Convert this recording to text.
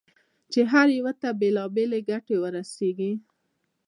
چې هر یوه ته بېلابېلې ګټې ورسېږي.